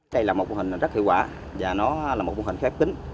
đây là một mô hình rất hiệu quả và nó là một mô hình khép kín